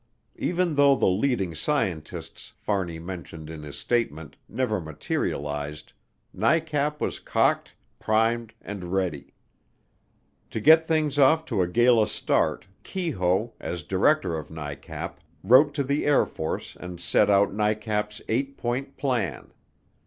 Even though the "leading scientists" Fahrney mentioned in his statement never materialized NICAP was cocked, primed, and ready. To get things off to a gala start Keyhoe, as director of NICAP, wrote to the Air Force and set out NICAP's Eight Point Plan.